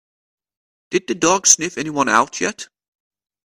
Did the dog sniff anyone out yet?